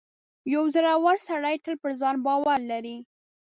• یو زړور سړی تل پر ځان باور لري.